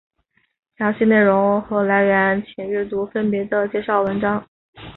详细内容和来源请阅读分别的介绍文章。